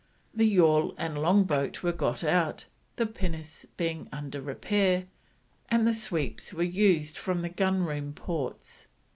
The yawl and long boat were got out, the pinnace being under repair, and the sweeps were used from the gun room ports.